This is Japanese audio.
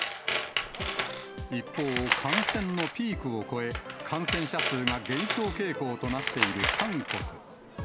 一方、感染のピークを越え、感染者数が減少傾向となっている韓国。